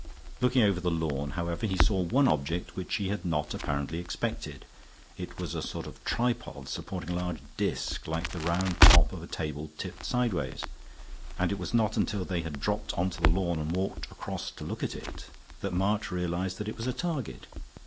Looking over the lawn, however, he saw one object which he had not apparently expected. It was a sort of tripod supporting a large disk like the round top of a table tipped sideways, and it was not until they had dropped on to the lawn and walked across to look at it that March realized that it was a target.